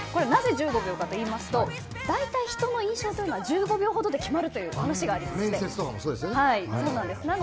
なぜ１５秒かといいますと大体、人の印象というのは１５秒ほどで決まるという話があります。